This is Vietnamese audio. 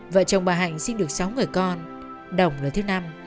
vợ chồng bà hạnh sinh được sáu người con đồng là thứ năm